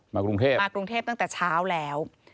กรุงเทพมากรุงเทพตั้งแต่เช้าแล้ว